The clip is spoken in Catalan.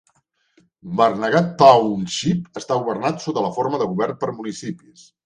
Barnegat Township està governat sota la forma de govern per municipis.